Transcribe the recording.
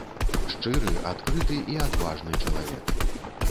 Шчыры, адкрыты і адважны чалавек.